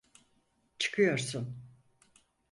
Çıkıyorsun.